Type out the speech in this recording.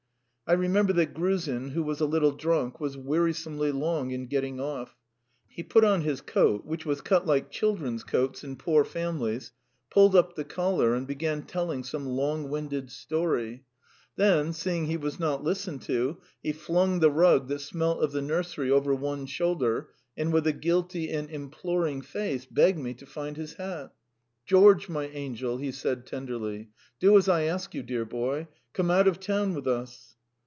I remember that Gruzin, who was a little drunk, was wearisomely long in getting off. He put on his coat, which was cut like children's coats in poor families, pulled up the collar, and began telling some long winded story; then, seeing he was not listened to, he flung the rug that smelt of the nursery over one shoulder, and with a guilty and imploring face begged me to find his hat. "George, my angel," he said tenderly. "Do as I ask you, dear boy; come out of town with us!"